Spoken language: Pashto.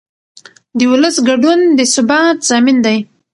د ولس ګډون د ثبات ضامن دی